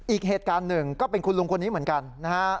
อีกเหตุการณ์หนึ่งก็เป็นคุณลุงคนนี้เหมือนกันนะฮะ